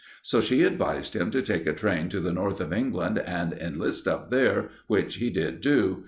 So she advised him to take a train to the North of England, and enlist up there, which he did do.